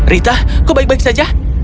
rita kau baik baik saja